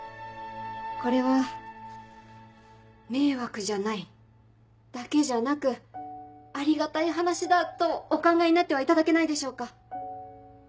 これは迷惑じゃないだけじゃなくありがたい話だとお考えになってはいただけないでしょうか。